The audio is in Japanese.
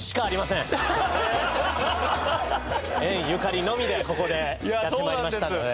縁ゆかりのみでここでやって参りましたので。